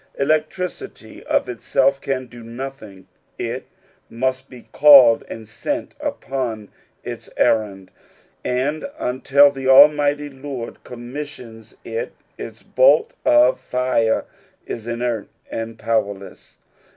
Electricity of itself can do nothing, it must be called and sent upon its errand: and until the almighty Lord commis sions it, its bolt of fire is inert and powerless.